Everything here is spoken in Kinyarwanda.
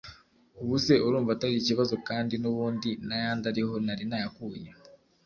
Ubu se urumva atari ikibazo kandi n’ubundi n’ayandi ari ho nari nayakuye